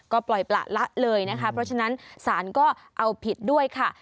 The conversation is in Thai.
ก็ปล่อยประละเลยนะคะเพราะฉะนั้นศาลก็เอาผิดด้วยค่ะ